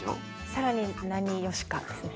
更に何良しかですね。